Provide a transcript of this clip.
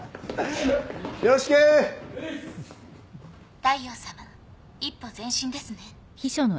大陽さま一歩前進ですね。